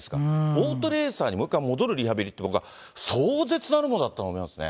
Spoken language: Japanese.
オートレーサーにもう一回戻るリハビリって、僕は、壮絶なるものだったと思いますね。